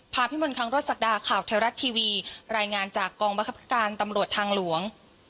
พิมลคังรถศักดาข่าวไทยรัฐทีวีรายงานจากกองบังคับการตำรวจทางหลวง